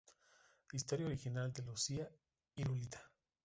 Historia Original de Lucía Irurita.